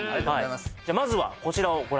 じゃあまずはこちらをご覧